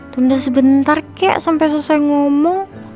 tunda sebentar kek sampai selesai ngomong